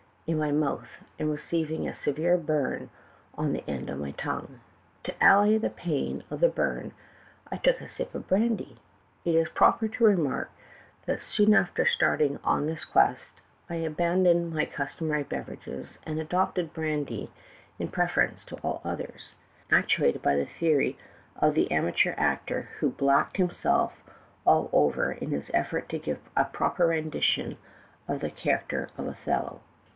301 in my mouth and receiving a severe burn on the end of my tongue. To allay the pain of the burn I took a sip of brandy ; it is proper to remark that soon after starting on this quest I abandoned my customary beverages and adopted brandy in preference to all others, actuated by the theory of the amateur actor who blacked himself all over in his effort to give a proper rendition of the char acter of Othello.